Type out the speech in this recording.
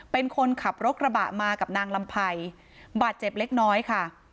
เป็นคนขับรถกระบะมากับนางลำไพรบาดเจ็บเล็กน้อยค่ะ